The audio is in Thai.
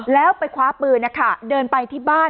แล้วไปคว้าปืนนะคะเดินไปที่บ้าน